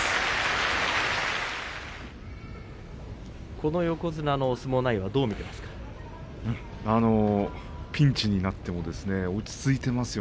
この横綱の相撲内容どう見ていますか？